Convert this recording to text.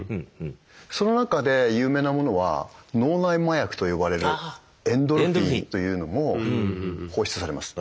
その中で有名なものは脳内麻薬と呼ばれるエンドルフィンというのも放出されます。